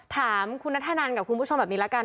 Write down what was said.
ถามคุณนัทธนันกับคุณผู้ชมแบบนี้ละกัน